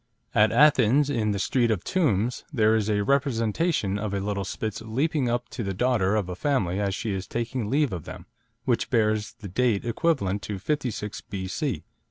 At Athens, in the Street of Tombs, there is a representation of a little Spitz leaping up to the daughter of a family as she is taking leave of them, which bears the date equivalent to 56 B.C.